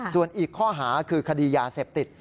ส่วนอีกข้อหาคือคดียาเสพติด